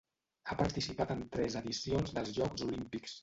Ha participat en tres edicions dels Jocs Olímpics.